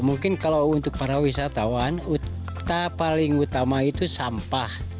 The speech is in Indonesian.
mungkin kalau untuk para wisatawan utama itu sampah